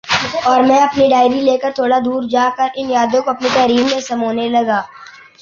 اور میں اپنی ڈائری لے کر تھوڑا دور جا کر ان یادوں کو اپنی تحریر میں سمونے لگا